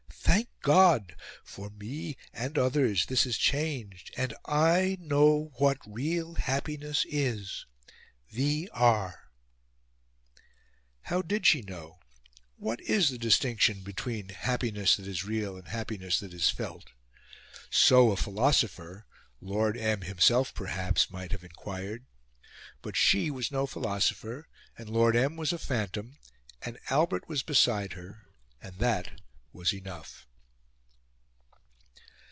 Thank God! for ME and others, this is changed, and I KNOW WHAT REAL HAPPINESS IS V. R." How did she know? What is the distinction between happiness that is real and happiness that is felt? So a philosopher Lord M. himself perhaps might have inquired. But she was no philosopher, and Lord M. was a phantom, and Albert was beside her, and that was enough.